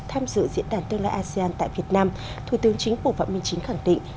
tham dự diễn đàn tương lai asean tại việt nam thủ tướng chính phủ phạm minh chính khẳng định